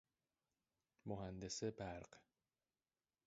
مهندس برق